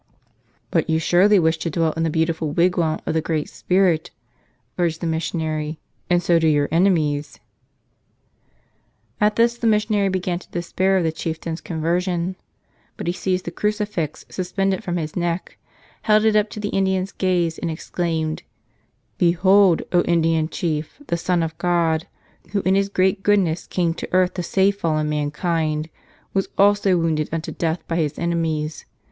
"But you surely wish to dwell in the beautiful wig¬ wam of the Great Spirit," urged the missionary; "and so do your enemies." At this the missionary began to despair of the chieftain's conversion. But he seized the crucifix sus¬ pended from his neck, held it up to the Indian's gaze, and exclaimed, "Behold, O Indian chief, the Son of God, Who in His great goodness came to earth to save fallen mankind, was also wounded unto death by His enemies.